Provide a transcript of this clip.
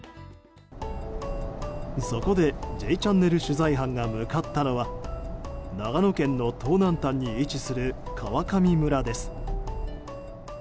そこで「Ｊチャンネル」取材班が向かったのが長野県の東南端に位置する川上村です。